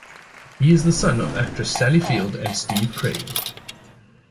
He is the son of actress Sally Field and Steve Craig.